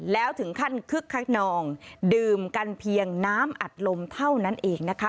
แล้วถึงขั้นคึกคักนองดื่มกันเพียงน้ำอัดลมเท่านั้นเองนะคะ